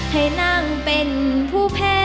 ให้นั่งเป็นผู้แพ้